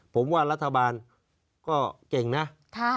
ผมว่ารัฐบาลก็เก่งนะ